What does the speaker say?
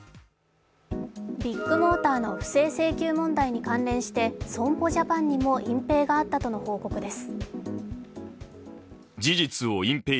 ビッグモーターの不正請求問題に関連して、損保ジャパンにも隠蔽があったとの報告です。